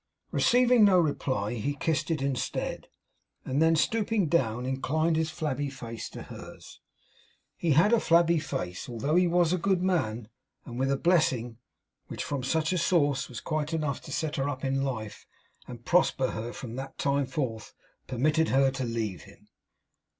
Receiving no reply he kissed it instead; and then stooping down, inclined his flabby face to hers he had a flabby face, although he WAS a good man and with a blessing, which from such a source was quite enough to set her up in life, and prosper her from that time forth permitted her to leave him.